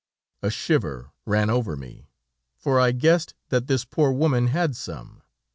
"A shiver ran over me, for I guessed that this poor woman had some.